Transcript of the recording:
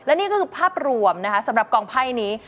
นี่ก็คือภาพรวมนะคะสำหรับกองไพ่นี้